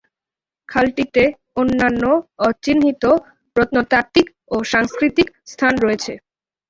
খালটিতে অন্যান্য অচিহ্নিত প্রত্নতাত্ত্বিক ও সাংস্কৃতিক স্থান রয়েছে।